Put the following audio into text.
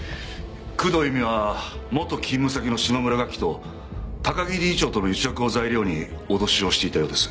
工藤由美は元勤務先の島村楽器と高木理事長との癒着を材料に脅しをしていたようです。